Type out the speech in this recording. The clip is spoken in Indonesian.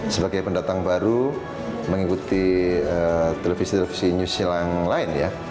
sebagai pendatang baru mengikuti televisi televisi news yang lain ya